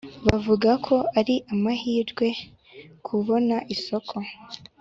bavuga ko ari amahirwe kubona isoko